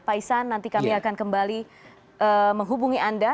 pak isan nanti kami akan kembali menghubungi anda